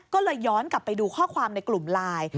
ก็เลยย้อนกลับไปดูข้อความในกลุ่มไลน์